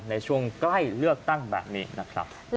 ในช่วงใกล้เลือกตั้งแบบนี้นะครับ